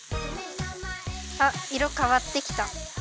あっいろかわってきた。